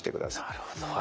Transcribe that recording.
なるほど。